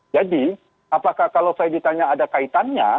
apakah kalau saya ditanya ada kaitannya